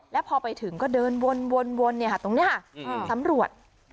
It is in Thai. แล้วพอไปถึงก็เดินวนตรงนี้ค่ะสำรวจ